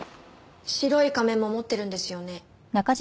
白い仮面も持ってるんですよね？